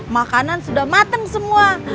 makanan sudah matang semua